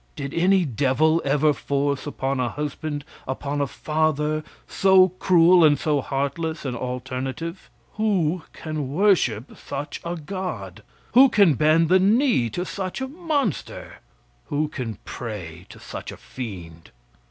Did any devil ever force upon a husband, upon a father, so cruel and so heartless an alternative? Who can worship such a god? Who can bend the knee to such a monster? Who can pray to such a fiend?